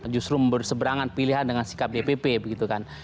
justru berseberangan pilihan dengan sikap dpp begitu kan